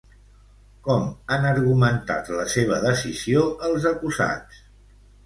Com han argumentat la seva decisió els acusats?